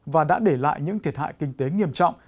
và đã để lại những thiệt hại kinh tế nghiêm trọng